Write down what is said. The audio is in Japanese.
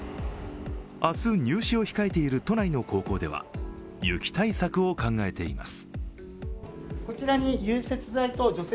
明日、入試を控えている都内の高校では雪対策を考えています。